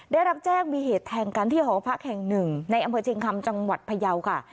ได้รับแจ้งมีเหตุแทงกันที่หอพักแห่งหนึ่งในอำเภอเชียงคำจังหวัดพยาวค่ะ